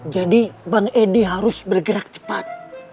jadi bang edi harus bergerak cepat